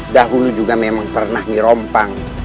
dahulu juga memang pernah dirompang